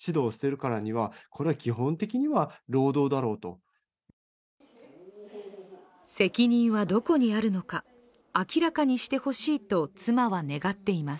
専門家は責任はどこにあるのか、明らかにしてほしいと妻は願っています。